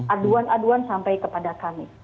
aduan aduan sampai kepada kami